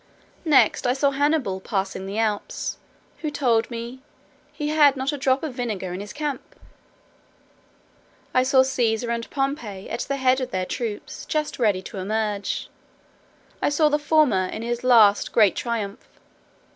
Next, I saw Hannibal passing the Alps, who told me "he had not a drop of vinegar in his camp." I saw Cæsar and Pompey at the head of their troops, just ready to engage. I saw the former, in his last great triumph.